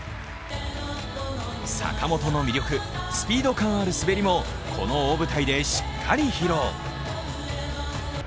坂本の魅力、スピード感ある滑りもこの大舞台でしっかり披露。